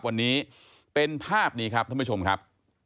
วันนี้เป็นภาพนี้ครับท่านผู้ชมครับ